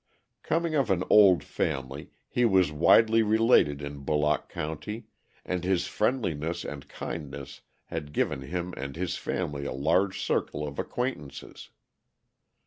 Coming of an old family, he was widely related in Bullock County, and his friendliness and kindness had given him and his family a large circle of acquaintances.